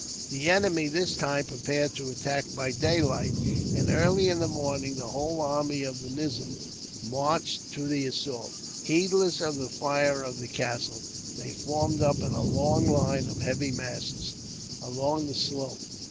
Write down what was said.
The enemy, this time, prepared to attack by daylight, and early in the morning the whole army of the nizam marched to the assault. Heedless of the fire of the castle, they formed up in a long line of heavy masses, along the slope.